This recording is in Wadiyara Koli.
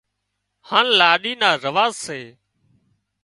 هانَ لاڏِي نا رواز سي